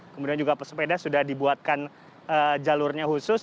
kemudian juga pesepeda sudah dibuatkan jalurnya khusus